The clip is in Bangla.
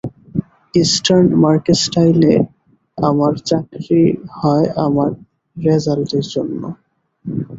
ইষ্টার্ন মার্কেস্টাইলে আমার চাকরি হয় আমার রেজান্টের জন্যে।